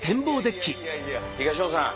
東野さん。